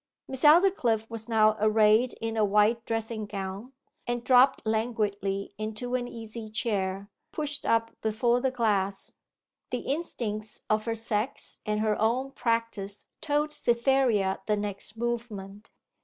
Miss Aldclyffe was now arrayed in a white dressing gown, and dropped languidly into an easy chair, pushed up before the glass. The instincts of her sex and her own practice told Cytherea the next movement.